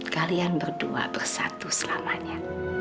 kalian berdua bersatu selamanya